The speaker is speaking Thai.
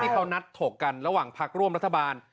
เขานัดถกกันระหว่างพักร่วมรัฐบาล